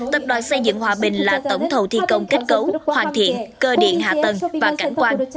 tập đoàn xây dựng hòa bình là tổng thầu thi công kết cấu hoàn thiện cơ điện hạ tầng và cảnh quan